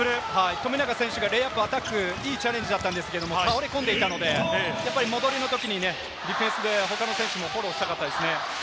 富永選手がレイアップ、アタック、いいチャレンジだったんですけれども倒れ込んでいたので、戻りのときにディフェンスで他の選手もフォローしたかったですね。